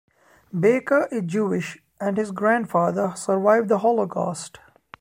Baker is Jewish, and his grandfather survived the Holocaust.